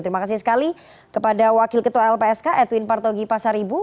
terima kasih sekali kepada wakil ketua lpsk edwin partogi pasaribu